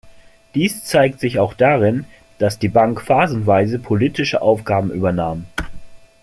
Dies zeigt sich auch darin, dass die Bank phasenweise politische Aufgaben übernahm.